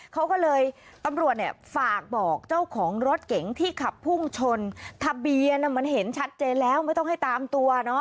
เขาก็เลยตำรวจเนี่ยฝากบอกเจ้าของรถเก๋งที่ขับพุ่งชนทะเบียนมันเห็นชัดเจนแล้วไม่ต้องให้ตามตัวเนาะ